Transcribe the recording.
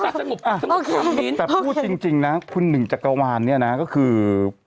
แต่พูดจริงนะคุณหนึ่งจักรวานนี่นะก็คือ